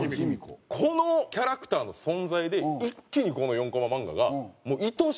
このキャラクターの存在で一気にこの４コマ漫画がもういとおしくて